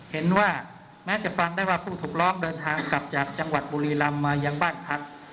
เห็นว่าแม้จะฟังได้ว่าผู้ถูกร้องเดินทางกลับจากจังหวัดบุรีรำมายังบ้านพัก